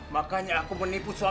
makanya aku menipu suami